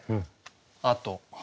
あと。